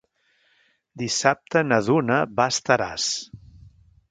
Dissabte na Duna va a Estaràs.